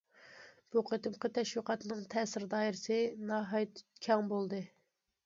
بۇ قېتىمقى تەشۋىقاتنىڭ تەسىر دائىرىسى ناھايىتى كەڭ بولدى.